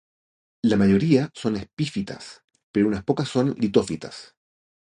La mayoría son epífitas, pero unas pocas son litófitas.